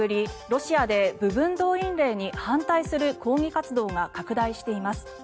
ロシアで部分動員令に反対する抗議活動が拡大しています。